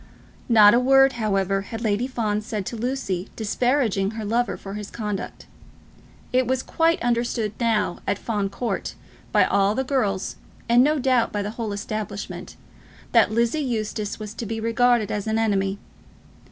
Not a word, however, had Lady Fawn said to Lucy disparaging her lover for his conduct. It was quite understood now at Fawn Court, by all the girls, and no doubt by the whole establishment, that Lizzie Eustace was to be regarded as an enemy.